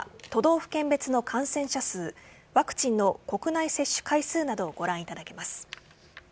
都道府県別の感染者数ワクチンの国内接種回数などをご覧いただけます。